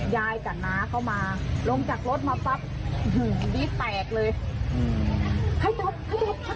ยายกับน้าเข้ามาลงจากรถมาปั๊บอืมดีแปลกเลยอืม